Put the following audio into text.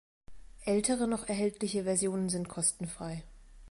Ältere noch erhältliche Versionen sind kostenfrei.